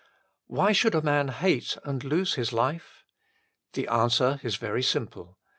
Why should a man hate and lose his life ? The answer is very simple.